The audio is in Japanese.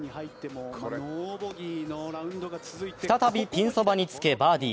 再びピンそばにつけ、バーディー。